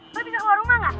lo bisa keluar rumah gak